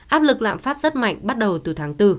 áp lực lạm phát rất mạnh bắt đầu từ tháng bốn